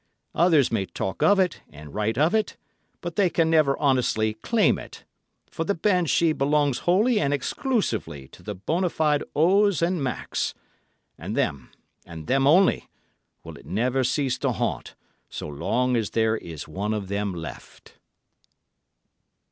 Others may talk of it and write of it, but they can never honestly claim it; for the banshee belongs wholly and exclusively to the bona fide O's and Macs—and them, and them only, will it never cease to haunt so long as there is one of them left."